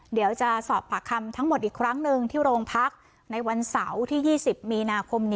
เดี๋ยวจะสอบปากคำทั้งหมดอีกครั้งหนึ่งที่โรงพักในวันเสาร์ที่๒๐มีนาคมนี้